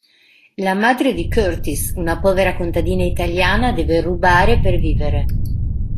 La madre di Curtis, una povera contadina italiana, deve rubare per vivere.